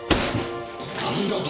なんだと！？